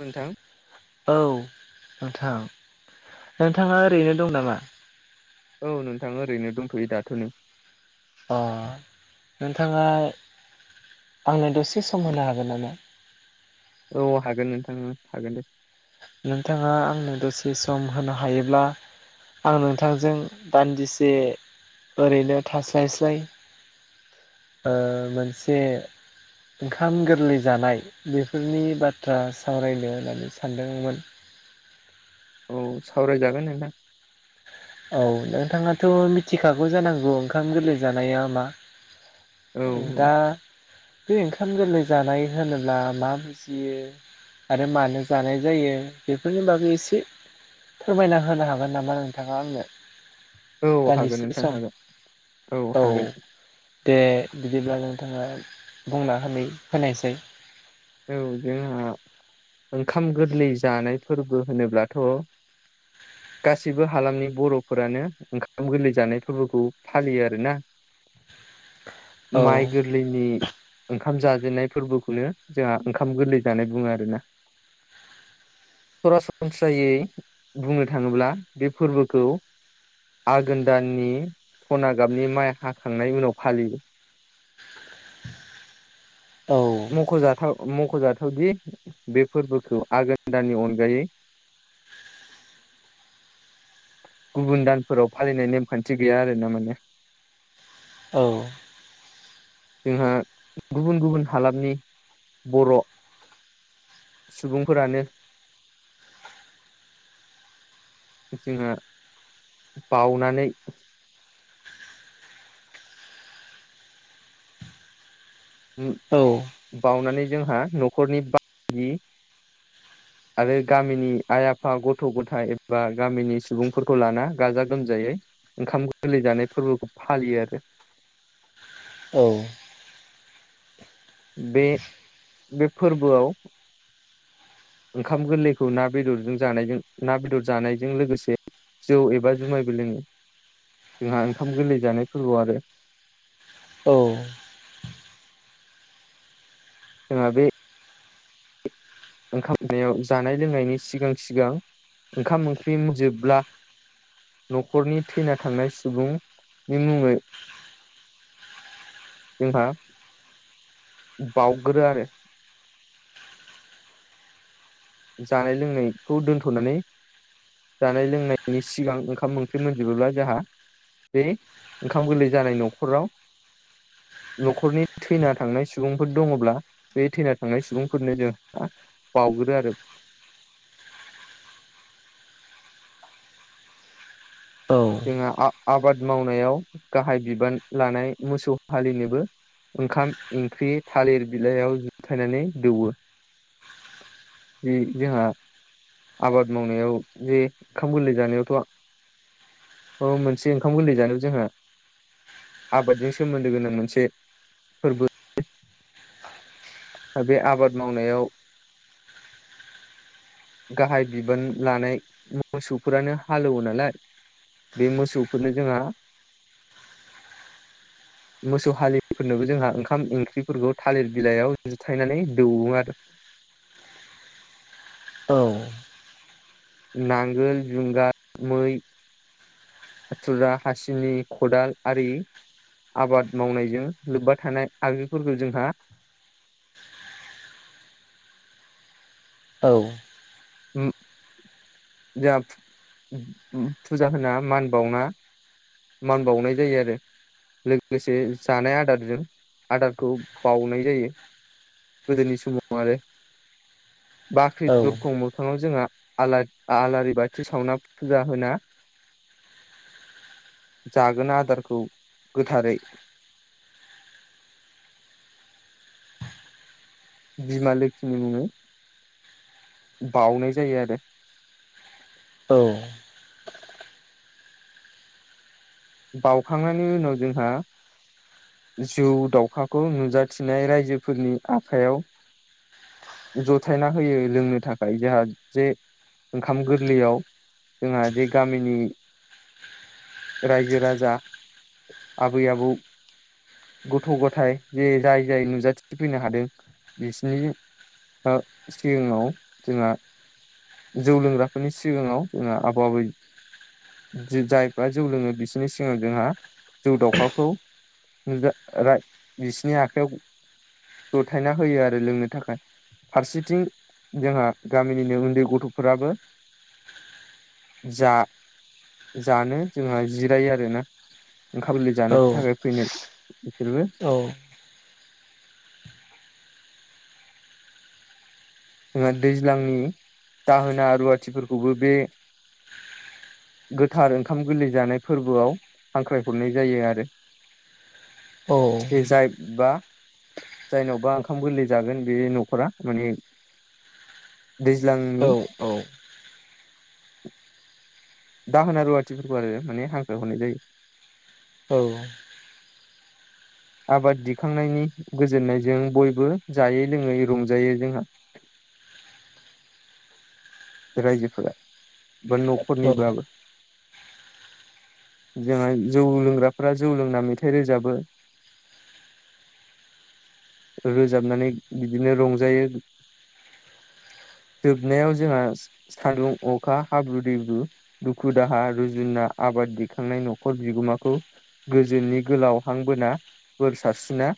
नोंथां औ नोंथां नोंथाङा ओरैनो दं नामा? औ नोंथां ओरैनो दंथ'यो दाथ'नै अ नोंथाङा आंनो दसे सम होनो हागोन नामा? औ हागोन नोंथांनो हागोन दे नोंथाङा आंनो दसे सम होनो हायोब्ला आं नोंथांजों दान्दिसे ओरैनो थास्लायस्लाय ओ मोनसे ओंखाम गोरलै जानाय बेफोरनि बाथ्रा सावरायनो होननानै सानदोंमोन। औ सावरायजागोन नोंथां औ नोंथाङाथ' मिथिखागौ जानांगौ ओंखाम गोरलै जानाया मा औ दा बे ओंखाम गोरलै जानाय होनोब्ला मा बुजियो आरो मानो जानाय जायो बेफोरनि बागै एसे फोरमायना होनो हागोन नामा नोंथाङा आंनो औ हागोन [unintelligible] नोंथां सम हागोन औ दे बिदिब्ला नोंथाङा बुंना होना होनायसै औ जोंहा ओंखाम गोरलै जानाय फोरबो होनोब्लाथ' [unintelligible] गासिबो हालामनि बर'फोरानो ओंखाम गोरलै जानाय फोरबोखौ फालियो आरोना [inaudible] औ माइ गोरलैनि ओंखाम जाजेननाय फोरबोखौनो जोंहा ओंखाम गोरलै जानाय बुङो आरो ना सरासनस्रायै बुंनो थाङोब्ला बे फोरबोखौ आघोन दाननि सना गाबनि माइ हाखांनाय उनाव फालियो औ ख'जाथाव मख'जाथावदि बे फोरबोखौ आघोन दानानि अनगायै गुबुन दानफोराव फालिनाय नेमखान्थि गैया आरो ना माने औ जोंहा गुबुन गुबुन हालामनि बर' सुबुंफोरानो जोंहा बावनानै औ बावनानै जोंहा न'खरनि बाहागि [inaudible] आरो गामिनि आइ आफा गथ' गथायाइ एबा गामिनि सुबुंफोरखौ लाना गाजा गोमजायै ओंखाम गोरलै जानाय फोरबोखौ फालियो आरो औ बे बे फोरबोआव ओंखाम गोरलैखौ ना बेदरजों जानायजों ना बेदर जानायजों लोगोसे जौ एबा जुमायबो लोङो जोंहा ओंखाम गोरलै जानाय फोरबोआव आरो औ जोंहा बे ओंखाम सनायाव जानाय लोंनायनि सिगां सिगां ओंखाम ओंख्रि जोबब्ला न'खरनि थैना थांनाय सुबुंनि मुङै जोंहा बावग्रो आरो जानाय लोंनायखौ दोनथ'नानै जानाय लोंनायनि सिगां ओंखाम ओंख्रि मोनजोबोब्ला जाहा बे ओंखाम गोरलै जानाय न'खराव न'खरनि थैना थांनाय सुबुंफोर दङब्ला बे थैना थांनाय सुबुंफोरनो जों बावउगोरो आरो औ आ-आबाद मावनायाव गाहाय बिबान लानाय मोसौ हालिनोबो ओंखाम ओंख्रि थालिर बिलाइयाव जुथायनानै दौवो। बि जोंहा आबाद मावनायाव जे ओंखाम गोरलै जानायावथ' खौ मोनसे ओंखाम गोरलै जानायाव जोंहा आबादजों सोमोन्दो गोनां मोनसे फोरबो बे आबाद मावनायाव गाहाय बिबान लानाय मोसौफोरानो हालेवो नालाय। बे मोसौखौनो जोंहा [inaudible] मोसौ हालिफोरनोबो जोंहा ओंखाम ओंख्रिफोरखौ थालिर बिलाइयाव जुथायनानै दौवो आरो औ नांगोल जुंगार मै हाथुरा हासिनि खदाल आरि आबाद मावनायजों लोब्बा थानाय आगजुफोरखौ जोंहा औ उम जाहाब फुजा होना मान बावना मान बावनाय जायो आरो लोगोसे जानाय आदारजों आदारखौ बउनाय जायो। गोदोनि समाव आरो बाख्रि औ दरखं मोखाङाव जोंहा आलार आलारि बाथि सावना फुजा होना जागोना आदारखौ गोथारै बिमा लोखिनि मुङै बउनाय जायो आरो। औ बावउखांनायनि उनाव जोंहा जौ दाउखाखौ नुजाथिनाय रायजोफोरनि आखायाव जथायना होयो लोंनो थाखाय जोंहा जे ओंखाम गोरलैयाव जोंहा जे गामिनि रायजो राजा आबै आबौ गथ' गथाय जे जाय जाय नुजाथिफैनो हादों बिसिनि ओ सिगाङाव जोंहा जौ लोंग्राफोरनि सिगाङाव जोंहा आबौ आबै जाय बा जौ लोङो बिसोरनि सिगाङाव जोंहा जौ दाउखाखौ नुजा राय बिसिनि आखायाव जथायना होयो आरो लोंनो थाखाय। फारसेथिं जोंहा गामिनिनो उन्दै गथ'फोराबो जा जानो जोंहा जिरायो आरो ना ओंखाम गोरलै जानोनि थाखाय फैनाय बिसोरबो। औ जोंहा दैज्लांनि जाहोना रुवाथिफोरखौबो बे गोथार ओंखाम गोरलै जानाय फोरबोआव हांख्रायहरनाय जायो आरो। औ बे जायबा जायनावबा ओंखाम गोरलै जागोन बे न'खरा माने दैज्लांनि औ औ दाहोना रुवाथिफोरखौ आरो माने हांख्राय हरनाय जायो। औ आबाद दिखांनायनि गोजोननायजों बयबो जायै लोङै रंजायो जोंहा रायजोफोरा बा औ न'खरनिब्लाबो। जोंहा जौ लोंग्राफोरा जौ लोंना मेथाइ रोजाबो। रोजाबनानै बिदिनो रंजायो जोबनायाव जोंहा सान्दुं अखा हाब्रु दैब्रु दुखु दाहा रुजुना आबाद दिखांनाय न'खर बिगोमाखौ गोजोननि गोलावहांबोना बोर सारस्रिना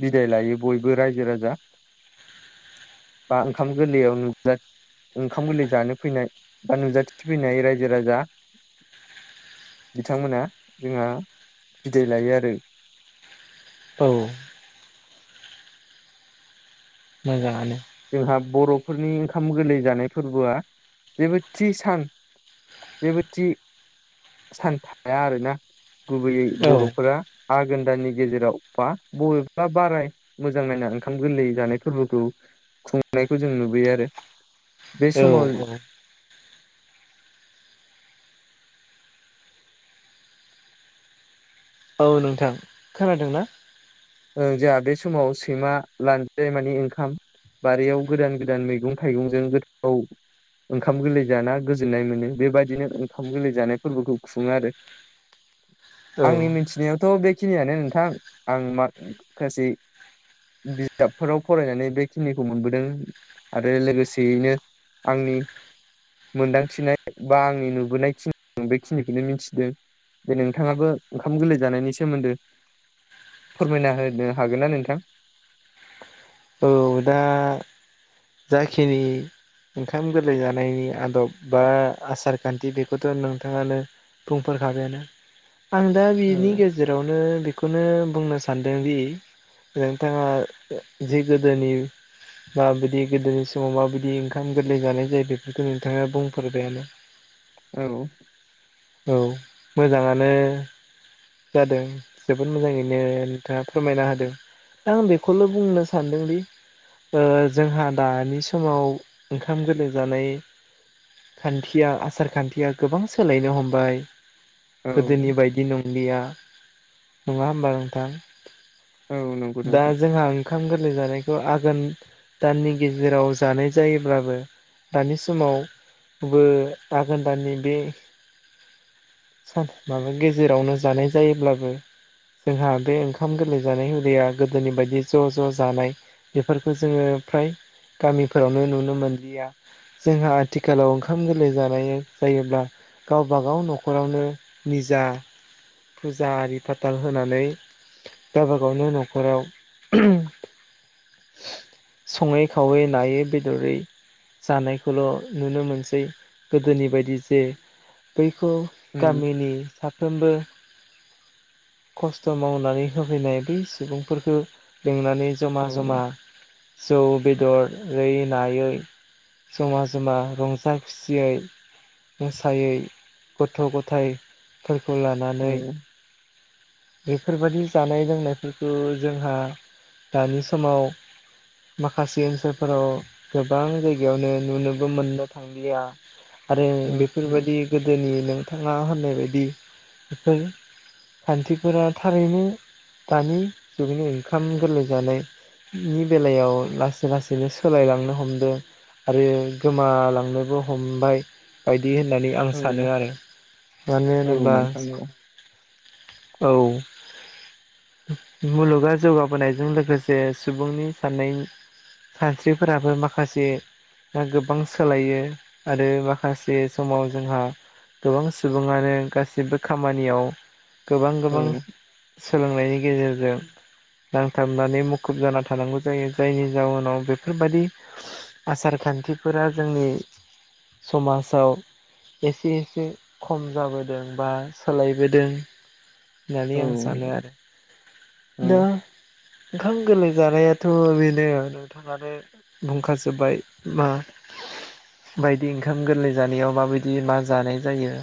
बिदाय लायो बयबो रायजो राजा बा ओंखाम गोरलैयाव नुजा ओंखाम गोरलै जानो फैनाय बा नुजाथिफैनाय रायजो राजा बिथांमोना जोंहा बिदाय लायो आरो। औ मोजाङानो जोंहा बर'फोरनि ओंखाम गोरलै जानाय फोरबोआ जेबो थि सान जेबो थि सान थाया आरोना गुबैयै औ बर'फोरा आघोन दानि गेजेराव बा बबेबा बाराय मोजां नायना ओंखाम गोरलै जानाय फोरबोखौ खुंनायखौ जों नुबयो आरो। बे औ समाव औ औ नोंथां खोनादोंना? ओ जोंहा बे समाव सैमा लानजाय मानिे ओंखाम बारियाव गोदान गोदान मैगं थाइगंजों गोथाव ओंखाम गोरलै जाना गोजोन्नाय मोनो बेबायदिनो ओंखाम गोरलै जानाय फोरबोखौ खुङो आरो। औ आंनि मिथिनायावथ' बेखिनियानो नोंथां आं माखासै बिजाबफोराव फरायनानै बेखिनिखौ मोनबोदों आरो लोगोसेयैनो आंनि मोनदांथिनाय बा आंनि नुबोनायखिनि बेखिनिखौनो मिथिदों। बे नोंथाङाबो ओंखाम गोरलै जानायनि सोमोन्दो फोरमायना होनो हागोनना नोंथां? औ दा जाखिनि ओंखाम गोरलै जानायनि आदब बा आसार खान्थि बेखौथ' नोंथाङानो बुंफोरखाबायानो आं दा बिनि औ गेजे जेरावनो बेखौनो बुंनो सानदोंदि नोंथाङा जि जोंनि माबायदि गोदोनि समाव माबायदि ओंखाम गोरलै जानाय जायो बेफोरखौ नोंथाङा बुंफेरबायानो। [inaudible] औ औ मोजाङानो जादों जोबोद मोजाङैनो नोंथाङा फोरमायना होदों। आं बेखौल' बुंनो सान्दों दि ओ जोंहा दानि समाव ओंखाम गोरलै जानाय खान्थिया आसार खान्थिया गोबां सोलायनो हमबाय औ गोदोनि बायदि नंलिया, नङा हबा नोंथां? औ नंगौ दा नोंथां जोंहा ओंखाम गोरलै जानाय स' आघोन दाननि गेजेराव जानाय जायोब्लाबो दानि समाव बो आघोन दानि बे माबा गेजेरावनो जानाय जायोब्लाबो जोंहा बे ओंखाम गोरलै जानाय हुदाया गोदोनि बायदि ज' ज' जानाय बेफोरखौ जोङो फ्राय गामिफोरावनो नुनो मोनलिया। जोंहा आथिखालाव ओंखाम गोरलै जानाय जायोब्ला गावबागाव न'खरावनो निजा फुजा आरि फाथाल होनानै गावबा गावनो न'खराव सङै खावै नायै बेदरै जानायखौल' नुनो मोनसै। गोदोनि बायदि जे बैखौ उम गामिनि साफ्रोमबो खस्थ' मावनानै होफैनाय बै सुबुंफोरखौ लिंनानै जम औ जमा जौ बेदरै नायै जमा जमा रंजा खुसियै मोसायै गथ' गथायफोरखौ लानानै औ बेफोरबायाददि जानाय लोंनायफोरखौ जोंहा दानि समाव माखासे ओनसोलफोराव गोबां जायगायावनो नुनोबो मोननो थांलिया आरो औ बेफोरबायदि गोदोनि नोंथाङा होननाय बायदि बेफोर खान्थिफोरा थारैनो दानि जुगनि ओंखाम गोरलै जानाय नि बेलायाव लासै लासैनो सोलायलांनो हमदों। आरो गोमालांनोबो हमबाय। बायदि होननानै आं सानो औ आरो मानो औ होनोब्ला नोंथां औ औ मुलुगा जौगाबोनायजों लोगोसे जे सुबुंनि साननाय सानस्रिफोराबो माखासे गोबां सोलायो आरो माखासे समाव जोंहा गोबां सुबुङानो गासिबो खामानियाव गोबां गोबां औ सोलोंनायनि गेजेरजों नांथाबनानै मु मुखुब जाना थानांगौ जायो जायनि जाउनाव बेफोरबायदि आसार खान्थिफोरा जोंनि समाजाव एसे एसे खम जाबोदों बा सोलायबोदों नानै औ आं सानो आरो। द ओंखाम गोरलै जानायाथ' बेनो नोंथाङानो बुंखाजोबाय मा बायदि ओंखाम गोरलै जानायाव माबायदि मा जानाय जायो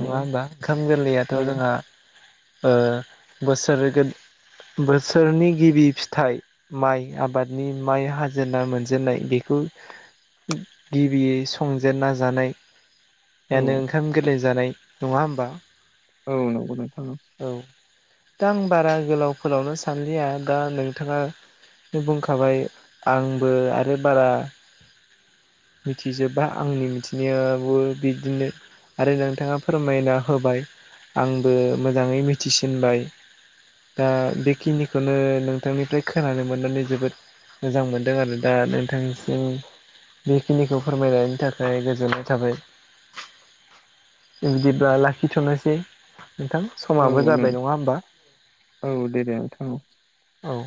नङा होमबा ओंखाम गोरलैयाथ' औ जोंहा ओ बोसोर सोरनि गिबि फिथाइ माइ आबादनि माइ हाजेनना मोनजेननाय बेखौ गिबियै संजेनना जानाय औ ानो ओंखाम गोरलै जानाय नङा होमबा औ नंगौ नोंथां नंगौ औ दा आं बारा गोलाव फोलावनो सानलिया दा नोंथाङा बुंखाबाय आंबो आरो बारा मिथिजोबा आंनि मिथिनायाबो बिदिनो आरो नोंथाङा फोरमायना होबाय आंबो मोजाङै मिथिसिनबाय दा बेखिनिखौनो नोंथांनिफ्राय खोनानो मोननानै जोबोद मोजां मोनदों आरो दा नोंथांसिम बेखिनिखौ फोरमायायनायनि थाखाय गोजोननाय थाबाय बिदिब्ला लाखिथ'नोसै नोंथां औ समाबो नों जाबाय नङा होमबा औ दे दे नोंथां औ औ